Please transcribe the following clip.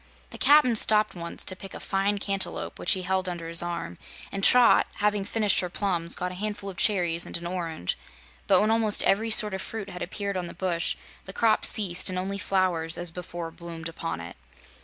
The Cap'n stopped once to pick a fine cantaloupe, which he held under his arm, and Trot, having finished her plums, got a handful of cherries and an orange; but when almost every sort of fruit had appeared on the bush, the crop ceased and only flowers, as before, bloomed upon it.